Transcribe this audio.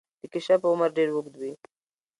د کیشپ عمر ډیر اوږد وي